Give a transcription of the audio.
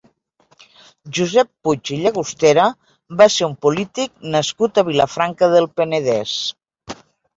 Josep Puig i Llagostera va ser un polític nascut a Vilafranca del Penedès.